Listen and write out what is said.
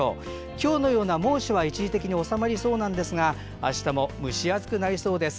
今日のような猛暑は一時的に収まりそうですがあしたも蒸し暑くなりそうです。